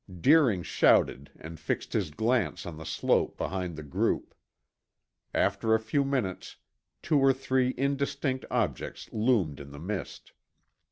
Deering shouted and fixed his glance on the slope behind the group. After a few minutes, two or three indistinct objects loomed in the mist.